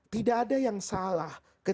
tidak ada yang salah ketika itu